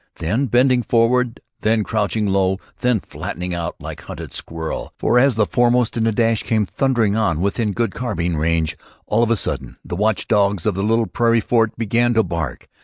Then bending forward, then crouching low, then flattening out like hunted squirrel, for as the foremost in the dash came thundering on within good carbine range, all on a sudden the watch dogs of the little plains fort began to bark.